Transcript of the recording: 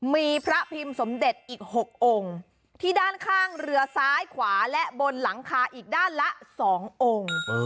มีพระพิมพ์สมเด็จอีก๖องค์ที่ด้านข้างเรือซ้ายขวาและบนหลังคาอีกด้านละ๒องค์